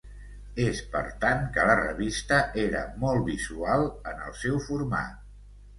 És per tant que la revista era molt visual en el seu format.